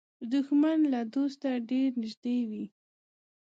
دښمن له دوسته ډېر نږدې وي